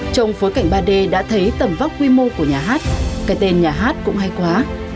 trong bối cảnh ba d đã thấy tầm vóc quy mô của nhà hát cái tên nhà hát cũng hay quá